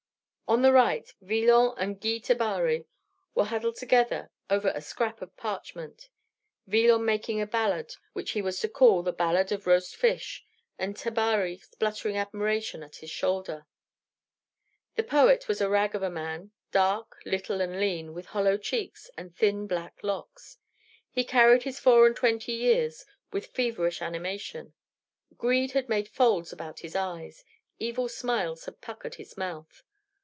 On the right, Villon and Guy Tabary were huddled together over a scrap of parchment; Villon making a ballade which he was to call the Ballade of Roast Fish, and Tabary spluttering admiration at his shoulder. The poet was a rag of a man, dark, little, and lean, with hollow cheeks and thin black locks. He carried his four and twenty years with feverish animation. Greed had made folds about his eyes, evil smiles had puckered his mouth.